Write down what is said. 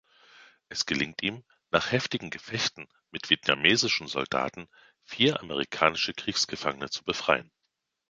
Es gelingt ihm, nach heftigen Gefechten mit vietnamesischen Soldaten vier amerikanische Kriegsgefangene zu befreien.